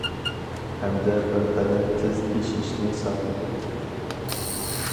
ھەمدە بىرقەدەر تېز ئېشىشنى ساقلىدى.